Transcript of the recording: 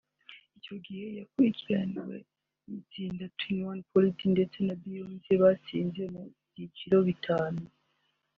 Icyo gihe yakurikiwe n’itsinda Twenty One Pilots ndetse na Beyoncé batsinze mu byiciro bitanu